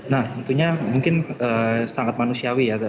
nah tentunya mungkin sangat manusiawi ya